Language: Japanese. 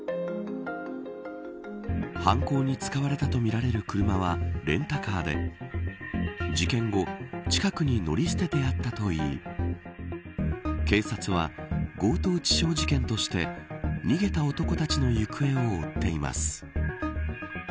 犯行に使われたとみられる車はレンタカーで事件後、近くに乗り捨ててあったといい警察は強盗致傷事件として逃げた男たちの行方を追っています。